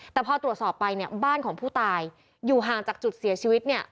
แต่พอตรวจสอบไปเนี่ยบ้านของผู้ตายอยู่ห่างจากจุดเสียชีวิตเนี่ย